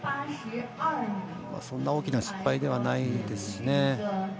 そんな大きな失敗ではないですし。